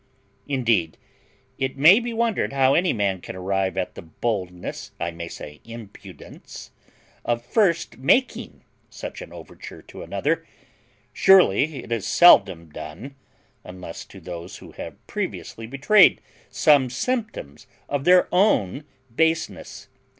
Indeed, it may be wondered how any man can arrive at the boldness, I may say impudence, of first making such an overture to another; surely it is seldom done, unless to those who have previously betrayed some symptoms of their own baseness.